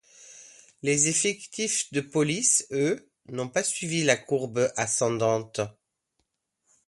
Les effectifs de police, eux, n’ont pas suivi la même courbe ascendante.